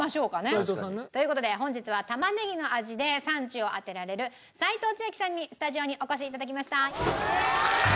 齋藤さんね。という事で本日は玉ねぎの味で産地を当てられる齋藤千明さんにスタジオにお越し頂きました。